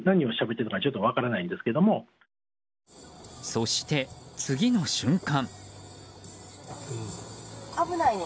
そして、次の瞬間。